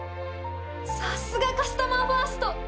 さすがカスタマーファースト！